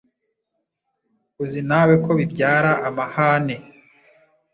uzi nawe ko bibyara amahane.